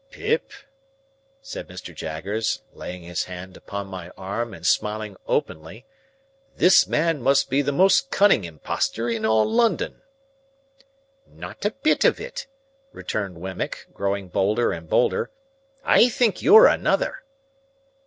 "Pip," said Mr. Jaggers, laying his hand upon my arm, and smiling openly, "this man must be the most cunning impostor in all London." "Not a bit of it," returned Wemmick, growing bolder and bolder. "I think you're another."